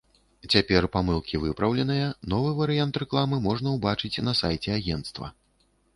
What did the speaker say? Цяпер памылкі выпраўленыя, новы варыянт рэкламы можна ўбачыць на сайце агенцтва.